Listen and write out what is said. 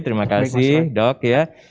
terima kasih dok